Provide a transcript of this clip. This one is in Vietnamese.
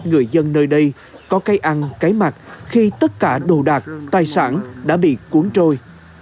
người dân nơi đây có cây ăn cái mặt khi tất cả đồ đạc tài sản đã bị cuốn trôi